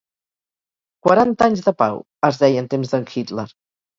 «Quaranta anys de pau», es deia en temps d'en Hitler.